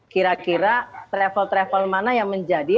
kira kira travel travel mana yang menjadi